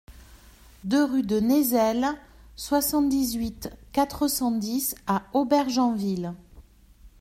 deux rue de Nézel, soixante-dix-huit, quatre cent dix à Aubergenville